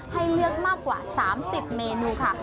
ให้เลือกมากกว่า๓๐เมนูค่ะ